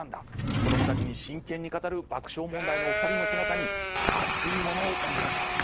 子どもたちに真剣に語る爆笑問題のお二人の姿に熱いものを感じました。